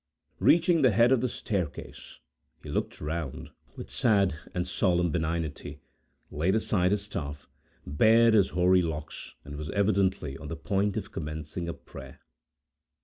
Reaching the head of the staircase, he looked around, with sad and solemn benignity, laid aside his staff, bared his hoary locks, and was evidently on the point of commencing a prayer.